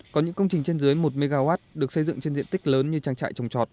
có những công trình trên dưới một mw được xây dựng trên diện tích lớn như trang trại trồng trọt